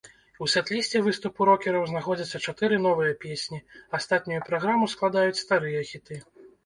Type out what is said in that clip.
У сэт-лісце выступу рокераў знаходзіцца чатыры новыя песні, астатнюю праграму складаюць старыя хіты.